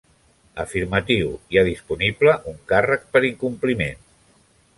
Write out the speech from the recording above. Afirmatiu, hi ha disponible un càrrec per incompliment.